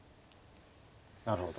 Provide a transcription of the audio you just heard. なるほど。